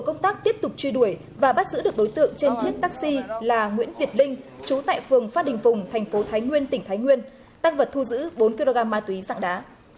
công an huyện bắc sơn tỉnh lạng sơn thu giữ bốn kg ma túy đá